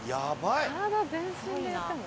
体全身でやっても？